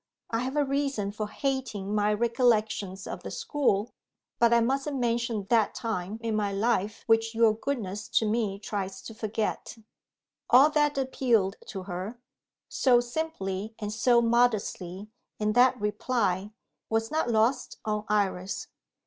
I have a reason for hating my recollections of the school but I mustn't mention that time in my life which your goodness to me tries to forget." All that appealed to her, so simply and so modestly, in that reply, was not lost on Iris.